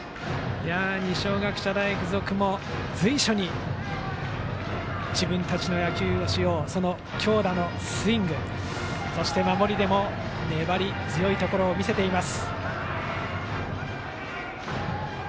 二松学舎大付属も随所に自分たちの野球をしようと強打のスイング、そして守りでも粘り強いところを見せています。